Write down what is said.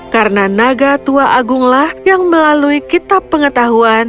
karena naga tua agunglah yang melalui kitab pengetahuan